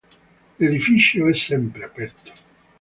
L'edificio è sempre aperto.